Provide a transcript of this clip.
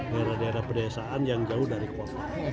daerah daerah pedesaan yang jauh dari kota